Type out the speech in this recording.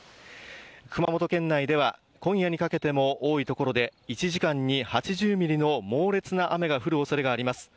熊本県内では今夜にかけても多い所で１時間に８０ミリの猛烈な雨が降るおそれがあります。